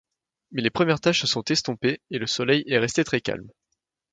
Mais les premières taches se sont estompées et le soleil est resté très calme.